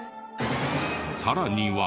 さらには。